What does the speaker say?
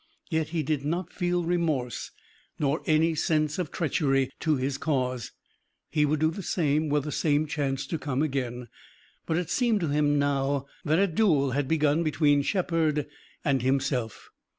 Yet he did not feel remorse nor any sense of treachery to his cause. He would do the same were the same chance to come again. But it seemed to him now that a duel had begun between Shepard and himself.